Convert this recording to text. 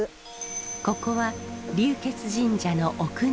ここは龍穴神社の奥の院。